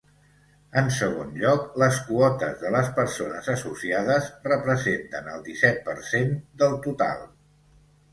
En segon lloc, les quotes de les persones associades representen el disset per cent del total.